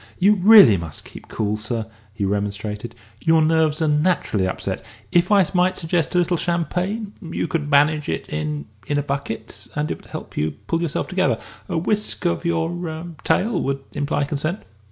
"You really must keep cool, sir," he remonstrated; "your nerves are naturally upset. If I might suggest a little champagne you could manage it in in a bucket, and it would help you to pull yourself together. A whisk of your er tail would imply consent."